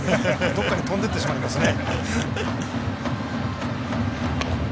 どこかに飛んでいってしまいますね。